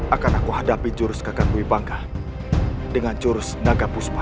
akan aku hadapi jurus kagang dwi pangga dengan jurus naga puspa